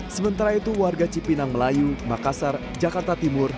sementara itu warga cipinang melayu makassar jakarta timur